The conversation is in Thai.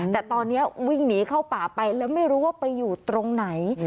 แต่ตอนนี้วิ่งหนีเข้าป่าไปแล้วไม่รู้ว่าไปอยู่ตรงไหน